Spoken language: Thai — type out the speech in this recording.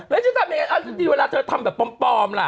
แล้วฉันทำยังไงฉันดีเวลาเธอทำแบบปลอมล่ะ